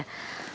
aku mau jalan